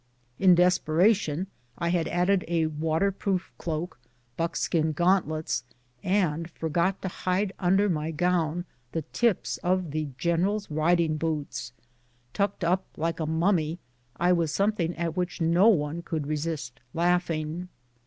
In desperation I had added a waterproof cloak, buckskin gauntlets, and forgot to hide under my gown the tips of the general's riding boots ! Tucked up like a mummy, I was some thing at which no one could resist laughing.